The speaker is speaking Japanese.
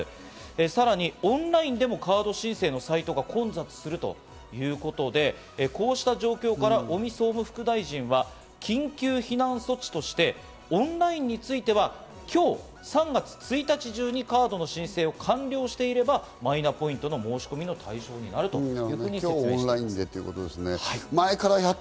さらにオンラインでもカード申請のサイトが混雑するということで、こうした状況から尾身総務副大臣は緊急避難措置としてオンラインについては、今日３月１日中にカードの申請を完了していればマイナポイントの申し込みの対象となると説明しています。